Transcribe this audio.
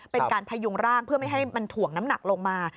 เป็นการพยุงร่างเพื่อไม่ให้มันถ่วงน้ำหนักลงมา